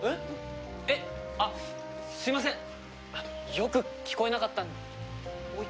よく聞こえなかったんでもう一回。